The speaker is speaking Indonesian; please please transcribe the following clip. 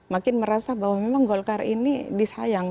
makin merasa bahwa memang golkar ini disayang